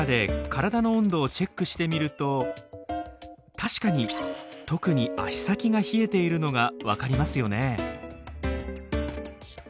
確かに特に足先が冷えているのが分かりますよね。